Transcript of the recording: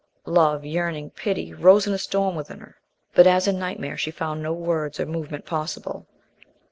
Love, yearning, pity rose in a storm within her, but as in nightmare she found no words or movement possible.